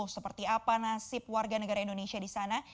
seperti apa nasib warga negara indonesia di sana